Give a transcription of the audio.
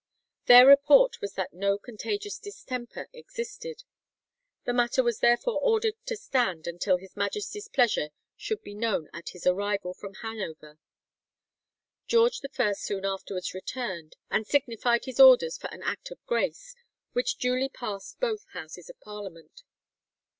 Their report was that no contagious distemper existed. The matter was therefore ordered to stand until his Majesty's pleasure should be known at his arrival from Hanover. George I soon afterwards returned, and signified his orders for an Act of Grace, which duly passed both Houses of Parliament.